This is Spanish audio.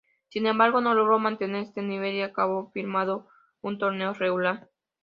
Sin embargo, no logró mantener este nivel y acabó firmando un torneo regular.